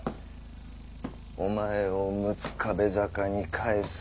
お前を六壁坂に返す。